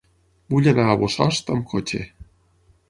Vull anar a Bossòst amb cotxe.